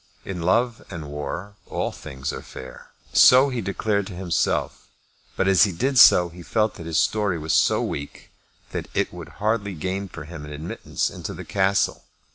In love and war all things are fair. So he declared to himself; but as he did so he felt that his story was so weak that it would hardly gain for him an admittance into the Castle.